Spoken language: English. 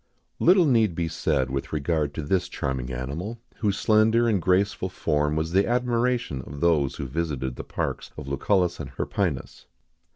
Little need be said with regard to this charming animal, whose slender and graceful form was the admiration of those who visited the parks of Lucullus and Hirpinus.